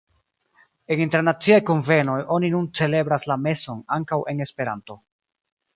En internaciaj kunvenoj oni nun celebras la meson ankaŭ en Esperanto.